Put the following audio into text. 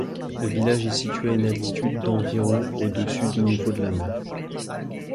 Le village est situé à une altitude d'environ au-dessus du niveau de la mer.